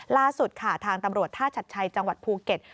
ล่าสุดค่ะทางตำรวจท่าชัดชัยจังหวัดภูเก็ต